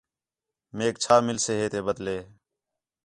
میک چھا ملسے ہے تے بدلے